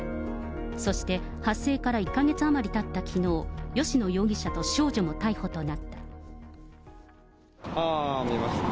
そして、発生から１か月余りたったきのう、ああ、見ました。